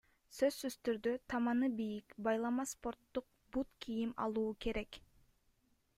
Сөзсүз түрдө — таманы бийик, байлама спорттук бут кийим алуу керек.